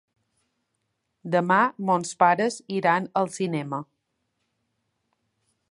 Demà mons pares iran al cinema.